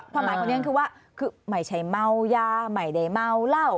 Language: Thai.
ความหมายคนนี้ก็คือว่าไม่ใช่เม้ายาไม่ได้เมาเหล้า